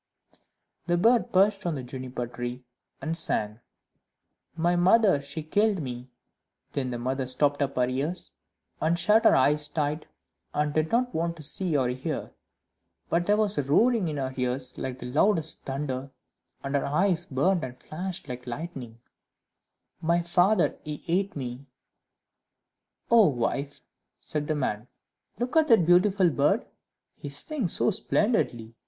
The bird perched upon the Juniper tree, and sang "My mother, she killed me;" Then the mother stopped up her ears, and shut her eyes tight, and did not want to see or hear; but there was a roaring in her ears like the loudest thunder, and her eyes burned and flashed like lightning "My father, he ate me;" "Oh, wife," said the man, "look at that beautiful bird! he sings so splendidly.